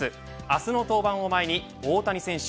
明日の登板を前に大谷選手